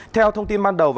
theo thông tin ban đầu